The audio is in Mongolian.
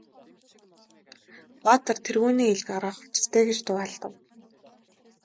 Баатар тэргүүнээ ил гаргах учиртай гэж дуу алдав.